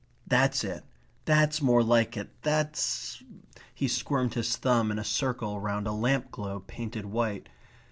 That's it. That's more like it. That's ..." he squirmed his thumb in a circle round a lamp globe painted white.